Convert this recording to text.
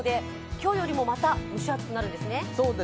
今日よりもまた蒸し暑くなるんですね？